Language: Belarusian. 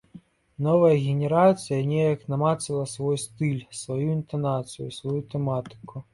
Новая генерацыя неяк намацала свой стыль, сваю інтанацыю, сваю тэматыку.